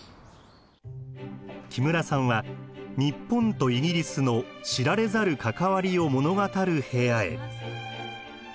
木村さんは日本とイギリスの知られざる関わりを物語る部屋へ。